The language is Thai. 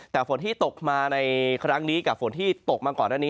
แต่ฝนที่ตกมาในครั้งนี้กับฝนที่ตกมาก่อนหน้านี้